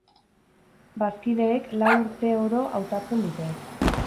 Bazkideek lau urte oro hautatzen dute.